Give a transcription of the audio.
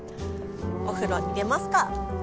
お風呂入れますか！